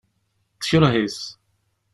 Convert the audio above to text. Tekreh-it.